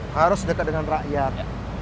harus dekat dengan rakyat